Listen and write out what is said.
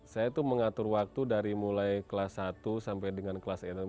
saya tuh mengatur waktu dari mulai kelas satu sampai dengan kelas enam